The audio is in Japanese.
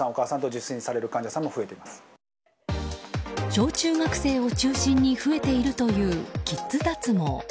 小中学生を中心に増えているというキッズ脱毛。